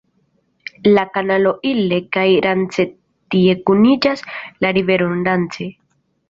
La kanalo Ille-kaj-Rance tie kuniĝas la riveron Rance.